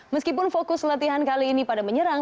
meskipun fokus latihan kali ini pada menyerang